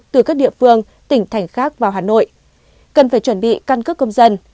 từ các địa phương tỉnh thành khác vào hà nội cần phải chuẩn bị căn cước công dân